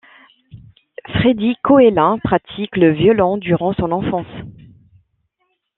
Freddy Koella pratique le violon durant son enfance.